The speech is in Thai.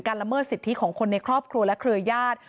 การลำเมิดสิทธิของคนในครอบครัวและครึ่วยาด